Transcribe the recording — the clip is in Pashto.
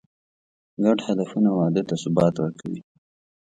ګډ هدفونه واده ته ثبات ورکوي.